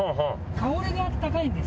香りが高いんです。